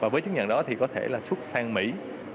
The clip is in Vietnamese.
với chứng nhận đó thì có thể là xuất sang mỹ